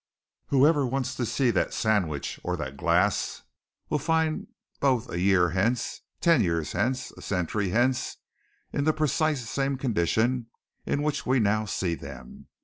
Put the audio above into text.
Whoever wants to see that sandwich or that glass will find both a year hence ten years hence a century hence! in precisely the same condition in which we now see them.